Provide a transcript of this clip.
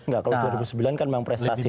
enggak kalau dua ribu sembilan kan memang prestasi